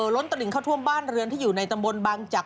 ล้นตลิงเข้าท่วมบ้านเรือนที่อยู่ในตำบลบางจักร